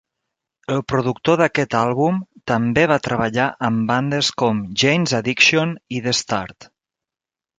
El productor d'aquest àlbum també va treballar amb bandes com Jane's Addiction i TheStart.